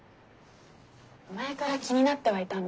前から気になってはいたんだ。